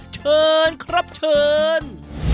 เชิญครับเชิญ